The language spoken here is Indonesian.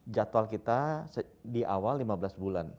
jadwal kita di awal lima belas bulan